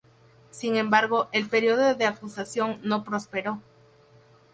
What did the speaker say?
Sin embargo, el pedido de acusación no prosperó.